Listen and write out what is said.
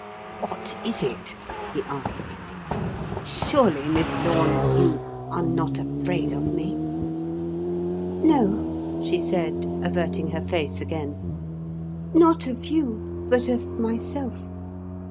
"What is it?" he asked. "Surely, Miss Lorne, you are not afraid of me?" "No," she said, averting her face again. "Not of you but of myself.